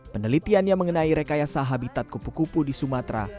penelitian yang mengenai rekayasa habitat kupu kupu di sumatera